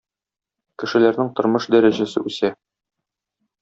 Кешеләрнең тормыш дәрәҗәсе үсә.